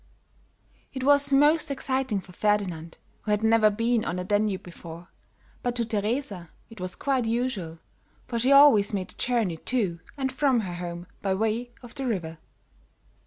It was most exciting for Ferdinand, who had never been on the Danube before, but to Teresa it was quite usual, for she always made the journey to and from her home by way of the river.